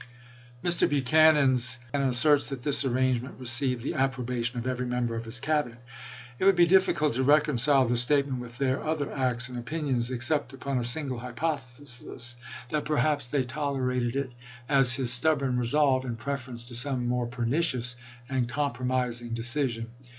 Mr. Buchanan asserts that this arrangement re ceived " the approbation of every member of his rad. Cabinet." It would be difficult to reconcile this statement with their other acts and opinions, ex cept upon a single hypothesis: that perhaps they THE SUMTER AND PICKENS TRUCE 169 tolerated it as his stubborn resolve, in preference chap. xi. to some more pernicious and compromising deci sion.